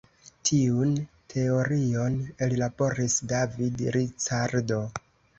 Tiun teorion ellaboris David Ricardo.